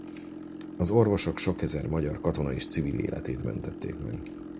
Az orvosok sok ezer magyar katona és civil életét mentették meg.